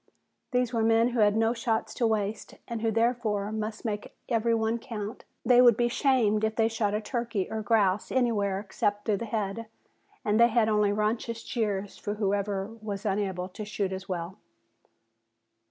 These were men who had no shots to waste and who therefore must make every one count. They would be shamed if they shot a turkey or grouse anywhere except through the head and they had only raucous jeers for whoever was unable to shoot as well.